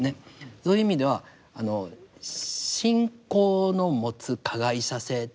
そういう意味ではあの信仰の持つ加害者性。